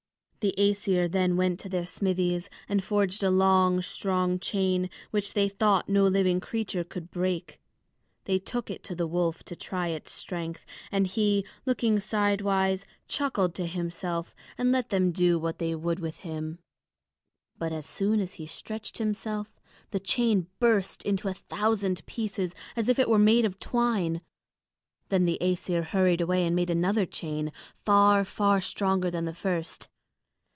The Æsir then went to their smithies and forged a long, strong chain which they thought no living creature could break. They took it to the wolf to try its strength, and he, looking sidewise, chuckled to himself and let them do what they would with him. But as soon as he stretched himself, the chain burst into a thousand pieces, as if it were made of twine. Then the Æsir hurried away and made another chain, far, far stronger than the first.